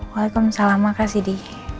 waalaikumsalam makasih di